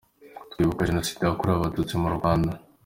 Twibuka Jenoside yakorewe Abatutsi mu Rwanda.